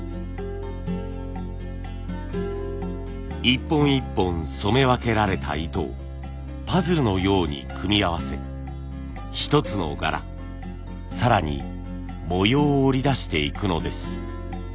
一本一本染め分けられた糸をパズルのように組み合わせ一つの柄更に模様を織り出していくのです。